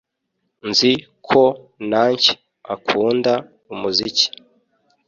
nzi ko nancy akunda umuziki